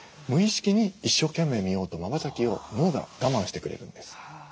無意識に一生懸命見ようとまばたきを脳が我慢してくれるんです。